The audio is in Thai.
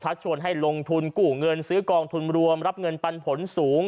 ชวนให้ลงทุนกู้เงินซื้อกองทุนรวมรับเงินปันผลสูง